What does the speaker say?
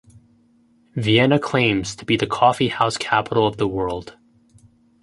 Vienna claims to be the "coffee house capital of the world".